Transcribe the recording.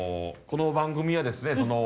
この番組はですね